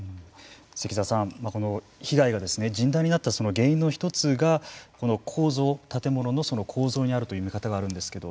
関澤さん被害が甚大になったその原因の１つがこの構造、建物の構造にあるという見方があるんですけれども。